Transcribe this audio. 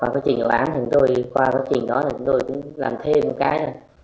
qua quá trình đó chúng tôi làm thêm một cái